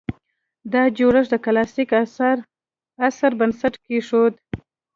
دا جوړښت د کلاسیک عصر بنسټ کېښود